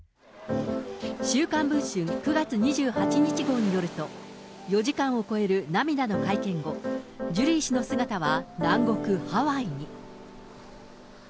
週刊文春９月２８日号によると、４時間を超える涙の会見後、ジュリー氏の姿は、南国ハワイに。